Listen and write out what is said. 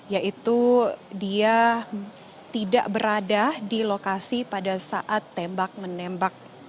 yaitu dia tidak berada di lokasi pada saat tembak menembak